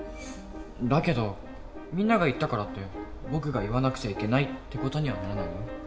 だけどみんなが言ったからって僕が言わなくちゃいけないって事にはならない。